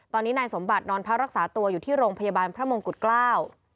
ตอนนี้นายสมบัตินอนพักรักษาตัวอยู่ที่โรงพยาบาลพระมงกุฎเกล้า